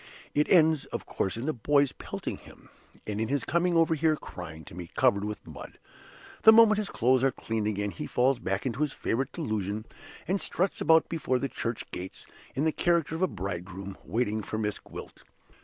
It ends of course in the boys pelting him, and in his coming here crying to me, covered with mud. The moment his clothes are cleaned again he falls back into his favorite delusion, and struts about before the church gates, in the character of a bridegroom, waiting for Miss Gwilt.